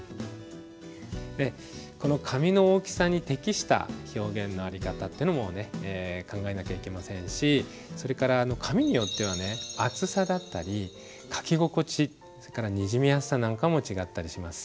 この紙の大きさに適した表現の在り方っていうのもね考えなきゃいけませんしそれから紙によっては厚さだったり書き心地にじみやすさなんかも違ったりします。